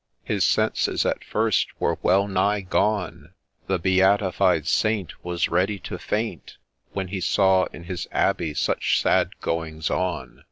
His senses at first were well nigh gone ; The beatified saint was ready to faint When he saw in his Abbey such sad goings on